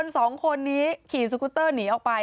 สองคนนี้ขี่สกุตเตอร์หนีออกไป